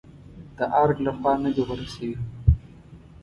د ارګ لخوا نه دي غوره شوې.